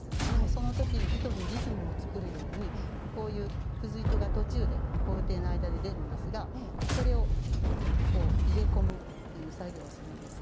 そのとき糸にリズムを作るようにこういうくず糸が途中で工程の間で出るんですがそれを入れ込むという作業をするんです。